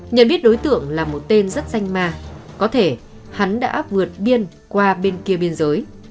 nhận biết đối tượng là một tên rất danh ma có thể hắn đã vượt biên qua bên kia biên giới